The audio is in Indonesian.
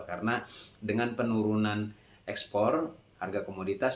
karena dengan penurunan ekspor harga komoditas